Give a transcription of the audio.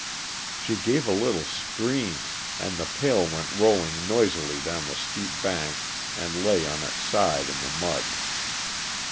She gave a little scream, and the pail went rolling noisily down the steep bank and lay on its side in the mud.